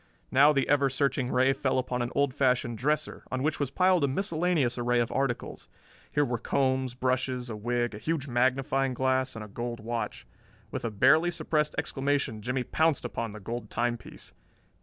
Now the ever searching ray fell upon an old fashioned dresser, on which was piled a miscellaneous array of articles. Here were combs, brushes, a wig, a huge magnifying glass, and a gold watch. With a barely suppressed exclamation, Jimmie pounced upon the gold timepiece.